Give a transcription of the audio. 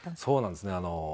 そうなんですね。